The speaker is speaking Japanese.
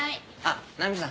「那美さん